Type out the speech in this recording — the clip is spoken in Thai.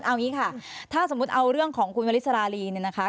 เอาอย่างนี้ค่ะถ้าสมมุติเอาเรื่องของคุณวัลิสราลีนะคะ